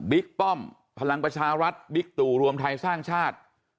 ป้อมพลังประชารัฐบิ๊กตู่รวมไทยสร้างชาติ